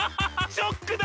ショックだろ！？